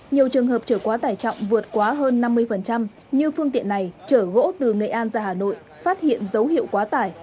nhiều trường hợp trở quá tải trọng vượt quá hơn năm mươi như phương tiện này chở gỗ từ nghệ an ra hà nội phát hiện dấu hiệu quá tải